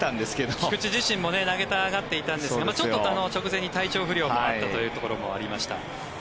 菊池自身も投げたがっていたんですがちょっと直前に体調不良があったところもありました。